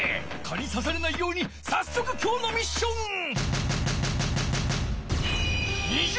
蚊にさされないようにさっそく今日のミッション！